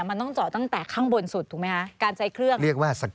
มันต้องเจาะตั้งแต่ข้างบนสุดถูกมั้ยคะ